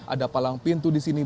ada palang pintu di sini